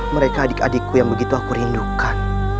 mereka adik adikku yang begitu aku rindukan